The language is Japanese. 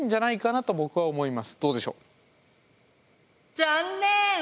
残念！